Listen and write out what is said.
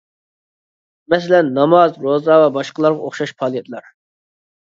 مەسىلەن: ناماز، روزا ۋە باشقىلارغا ئوخشاش پائالىيەتلەر.